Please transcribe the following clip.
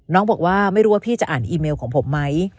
บอกว่าไม่รู้ว่าพี่จะอ่านอีเมลของผมไหม